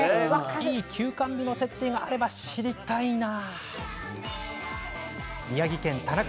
いい休肝日の設定があれば知りたいな。